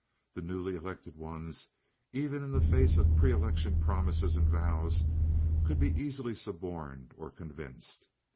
The newly elected ones, even in the face of pre election promises and vows, could be easily suborned or convinced.